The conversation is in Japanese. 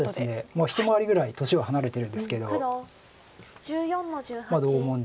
もう一回りぐらい年は離れてるんですけど同門で。